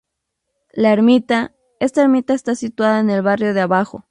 La Ermita: Esta ermita está situada en el barrio de Abajo.